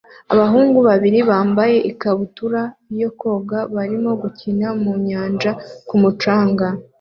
Abahungu babiri bambaye ikabutura yo koga barimo gukina mu nyanja ku mucanga